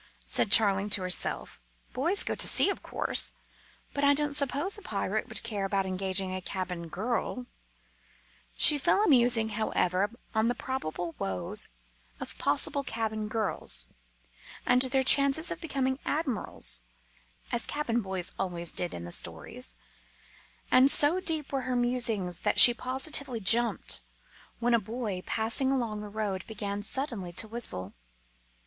said Charling to herself. "Boys go to sea, of course; but I don't suppose a pirate would care about engaging a cabin girl " She fell a musing, however, on the probable woes of possible cabin girls, and their chances of becoming admirals, as cabin boys always did in the stories; and so deep were her musings that she positively jumped when a boy, passing along the road, began suddenly to whistle.